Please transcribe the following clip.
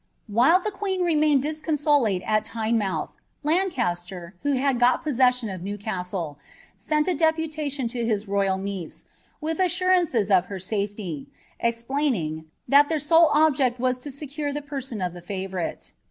Willie ihe queen remained disconsolate &t Tynemouih, LAnracter.vl had got posseflsion of Ifewcastle, sent a ilepuiation to his roni niH " with assurances of her safely," explaining " that ihdr sole lAjecl <t to secure the person of the favourilf."